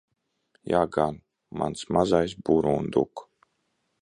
Jā gan, mans mazais burunduk.